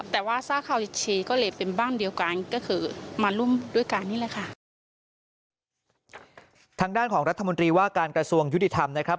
ทางด้านของรัฐมนตรีว่าการกระทรวงยุธิธรรมนะครับ